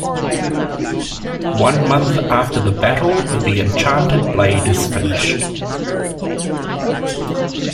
One month after the battle, the enchanted blade is finished.